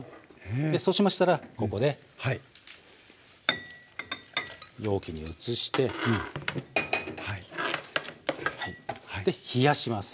でそうしましたらここで容器に移してで冷やします。